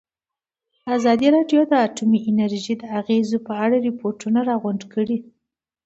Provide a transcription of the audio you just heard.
ازادي راډیو د اټومي انرژي د اغېزو په اړه ریپوټونه راغونډ کړي.